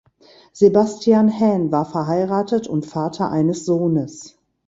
Sebastian Haen war verheiratet und Vater eines Sohnes.